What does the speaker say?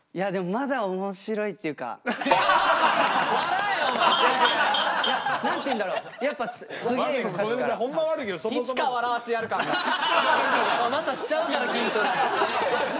またしちゃうから筋トレ。